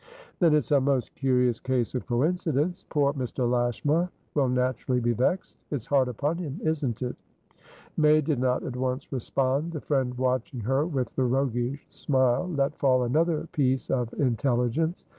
"Then it's a most curious case of coincidence. Poor Mr. Lashmar will naturally be vexed. It's hard upon him, isn't it?" May did not at once respond. The friend, watching her with the roguish smile, let fall another piece of intelligence.